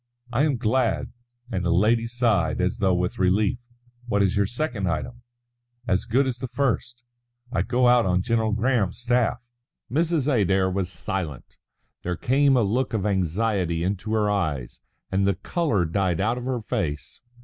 "I am glad," and the lady sighed as though with relief. "What is your second item?" "As good as the first. I go out on General Graham's staff." Mrs. Adair was silent. There came a look of anxiety into her eyes, and the colour died out of her face.